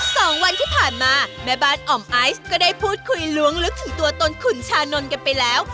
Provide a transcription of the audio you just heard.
สองวันที่ผ่านมาแม่บ้านอ่อมไอซ์ก็ได้พูดคุยล้วงลึกถึงตัวตนขุนชานนท์กันไปแล้ว